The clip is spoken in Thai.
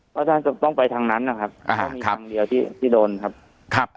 พระอาจารย์จะต้องไปทางนั้นนะครับไม่ต้องมีทางเดียวที่โดนครับ